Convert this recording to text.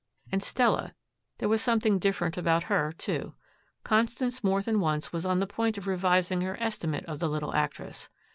And Stella. There was something different about her, too. Constance more than once was on the point of revising her estimate of the little actress.